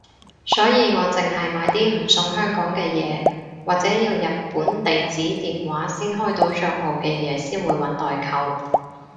所以我淨係買啲唔送香港嘅嘢或者要日本地址電話先開到帳號嘅嘢先會搵代購